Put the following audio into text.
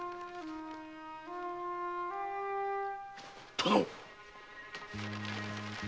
殿！